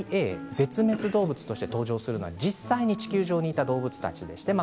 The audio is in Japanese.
絶滅動物として登場するのは実際に地球上にいた動物たちです。